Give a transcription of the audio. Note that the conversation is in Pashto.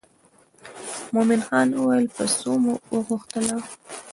مومن خان وویل په څو مو وغوښتله.